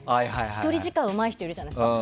１人時間うまい人いるじゃないですか。